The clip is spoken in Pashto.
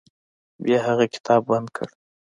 بیا هغه کتاب بند کړ.